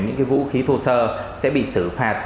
những vũ khí thô sơ sẽ bị xử phạt